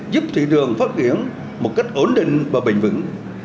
giúp thị trường phát triển một cách ổn định và bền vững